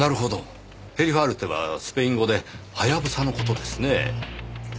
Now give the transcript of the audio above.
ヘリファルテはスペイン語ではやぶさの事ですね。